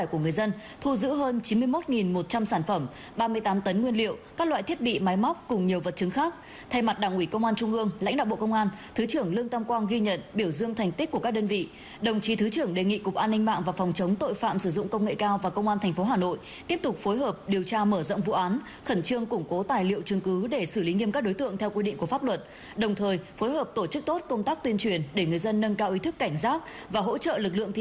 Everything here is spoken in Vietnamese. cùng nhiều vật chứng khác thay mặt đảng ủy công an trung ương lãnh đạo bộ công an thứ trưởng lương tam quang ghi nhận biểu dương thành tích của các đơn vị đồng chí thứ trưởng đề nghị cục an ninh mạng và phòng chống tội phạm sử dụng công nghệ cao và công an tp hà nội tiếp tục phối hợp điều tra mở rộng vụ án khẩn trương củng cố tài liệu chứng cứ để xử lý nghiêm các đối tượng theo quy định của pháp luật đồng thời phối hợp tổ chức tốt công tác tuyên truyền để người dân nâng cao ý thức cảnh giác và hỗ trợ lực lượng thi